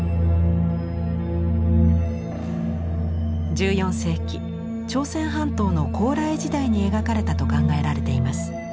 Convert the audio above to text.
１４世紀朝鮮半島の高麗時代に描かれたと考えられています。